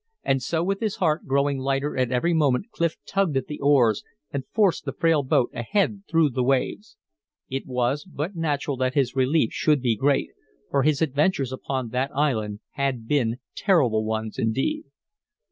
An so with his heart growing lighter at every moment Clif tugged at the oars and forced the frail boat ahead through the waves. It was but natural that his relief should be great, for his adventures upon that island had been terrible ones indeed.